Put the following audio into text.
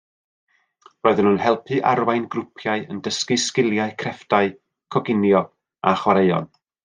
Roeddwn yn helpu arwain grwpiau yn dysgu sgiliau crefftau, coginio a chwaraeon